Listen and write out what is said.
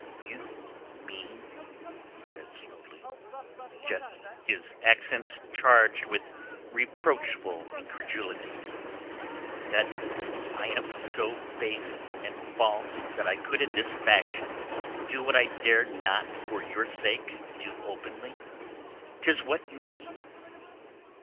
"You mean," he said slowly, gently, his accents charged with reproachful incredulity, "that I am so base and false that I could in this fashion do what I dared not for your sake do openly? 'Tis what you mean.